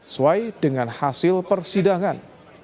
sesuai dengan hasil persidangan